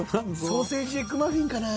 ソーセージエッグマフィンかな。